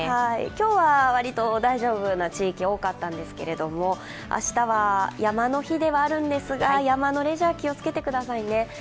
今日は割と大丈夫な地域多かったんですけど明日は山の日ではあるんですが山のレジャー気をつけてくださいね。